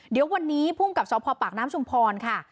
เดี๋ยววันนี้ภูมิกับสพปากน้ำชุมพรค่ะ